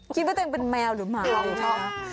คิดว่าตัวเองเป็นแมวหรือหมา